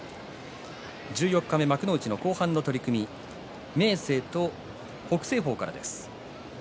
十四日目幕内の後半の取組明生と北青鵬からです。